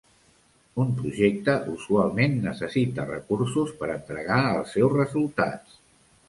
Un projecte usualment necessita recursos per a entregar els seus resultats.